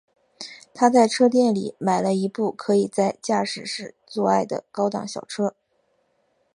他在车店里买了一部可以在驾驶室做爱的高档小车。